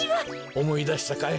おもいだしたかい？